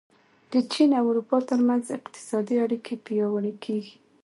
د چین او اروپا ترمنځ اقتصادي اړیکې پیاوړې کېږي.